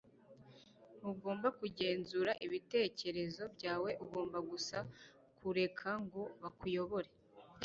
Ntugomba kugenzura ibitekerezo byawe; ugomba gusa kureka ngo bakuyobore. ”